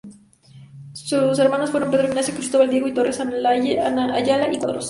Sus hermanos fueron Pedro Ignacio, Cristóbal y Diego Torres Ayala y Quadros.